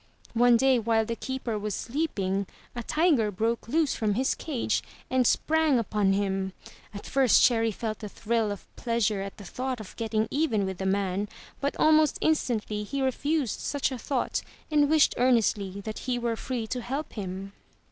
One day while the keeper was sleeping, a tiger broke loose from his cage and sprang upon him. At first Cherry felt a thrill of pleasure at the thought of getting even with the man, but almost instantly he refused such a thought, and wished earnestly that he were free to help him.